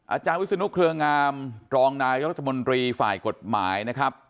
อาจารย์วิศนุเครืองามรองนายรัฐมนตรีฝ่ายกฎหมายนะครับ